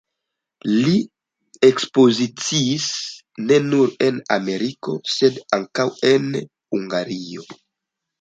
Li ekspoziciis ne nur en Ameriko, sed ankaŭ en Hungario.